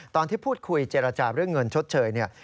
ตอนที่พูดคุยเจรจาเรื่องเงินชดเชยเนี่ย